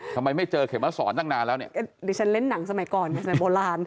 ไม่เจอเข็มมาสอนตั้งนานแล้วเนี่ยดิฉันเล่นหนังสมัยก่อนเป็นสมัยโบราณ